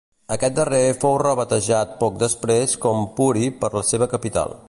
Aquest darrer fou rebatejat poc després com Puri per la seva capital.